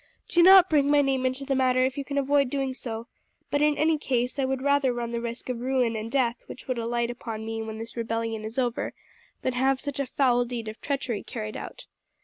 Do not bring my name into the matter if you can avoid doing so; but in any case I would rather run the risk of the ruin and death which would alight upon me when this rebellion is over than have such a foul deed of treachery carried out.